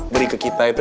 beri ke kita itu